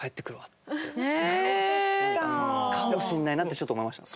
かもしれないなってちょっと思いました。